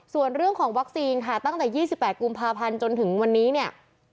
ส่วนเรื่องของวัคซีนค่ะตั้งแต่๒๘กุมภาพันธ์จนถึงวันนี้เนี่ย